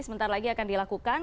sebentar lagi akan dilakukan